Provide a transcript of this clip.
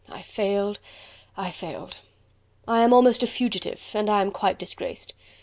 I failed... I failed... I am almost a fugitive and I am quite disgraced.